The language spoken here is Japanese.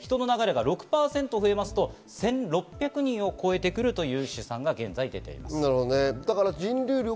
そして人の流れが６％増えますと１６００人を超えてくるという試算が現在出ています。